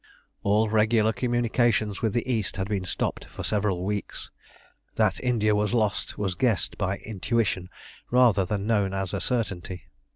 All regular communications with the East had been stopped for several weeks; that India was lost, was guessed by intuition rather than known as a certainty.